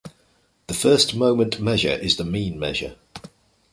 The first moment measure is the mean measure.